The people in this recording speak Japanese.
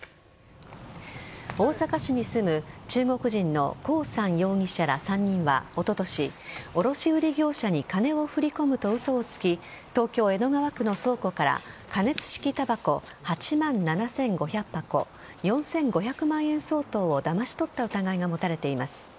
大阪市に住む中国人のコウ・サン容疑者ら３人はおととし、卸売業者に金を振り込むと嘘をつき東京・江戸川区の倉庫から加熱式たばこ８万７５００箱４５００万円相当をだまし取った疑いが持たれています。